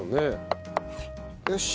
よし。